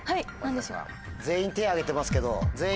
全員手挙げてますけど。